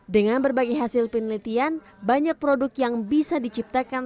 dengan berbagai hasil penelitian banyak produk yang bisa diciptakan